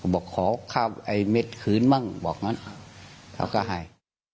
บอกขอข้าวไอ้เม็ดคืนมั่งบอกงั้นเขาก็ให้